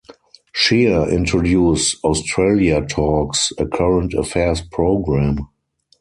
Shier introduced "Australia Talks", a current affairs program.